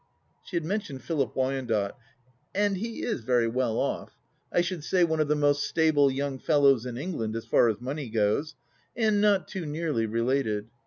She had mentioned Philip Wyandotte, and he is very well off; I should say one of the most stable young fellows in England as far as money goes, and not too nearly related.